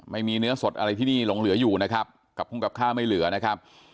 ไม่มีเนื้อสดอะไรที่นี่หลงเหลืออยู่นะครับกับภูมิกับข้าวไม่เหลือนะครับ